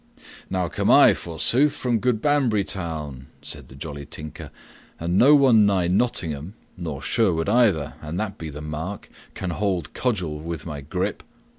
"Now come I, forsooth, from good Banbury Town," said the jolly Tinker, "and no one nigh Nottingham nor Sherwood either, an that be the mark can hold cudgel with my grip.